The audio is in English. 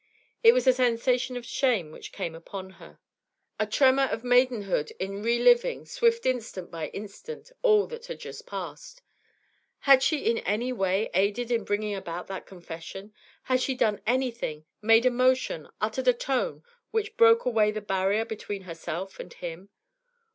It was a sensation of shame which came upon her, a tremor of maidenhood in re living, swift instant by instant, all that had just passed. Had she in any way aided in bringing about that confession? Had she done anything, made a motion, uttered a tone, which broke away the barrier between herself and him?